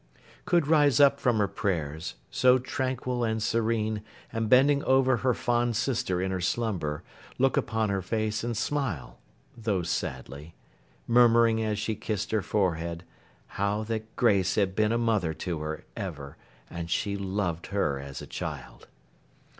Could rise up from her prayers, so tranquil and serene, and bending over her fond sister in her slumber, look upon her face and smile—though sadly: murmuring as she kissed her forehead, how that Grace had been a mother to her, ever, and she loved her as a child!